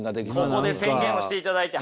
ここで宣言をしていただいて。